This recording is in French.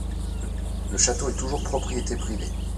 Le château est toujours propriété privée.